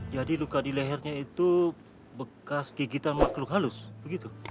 jadi luka di lehernya itu bekas gigitan makhluk halus begitu